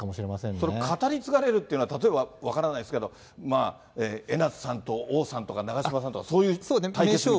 それ、語り継がれるっていうのは例えば、分からないですけど、江夏さんと王さんとか、長嶋さんとかそういう対決みたい？